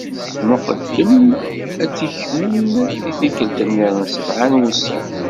Lmuqeddem ad t-ikmen i tikkelt-nniḍen, sebɛa n wussan.